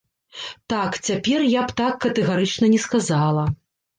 Так, цяпер я б так катэгарычна не сказала.